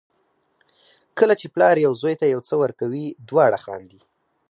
کله چې پلار یو زوی ته یو څه ورکوي دواړه خاندي.